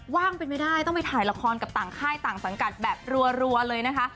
ว่างเป็นไม่ได้ต้องไปถ่ายละครกับต่างค่ายต่างสังกัดแบบรัวเลยนะคะ